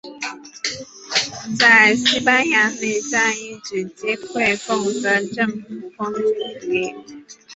在西班牙内战一举击溃共和政府空军主力。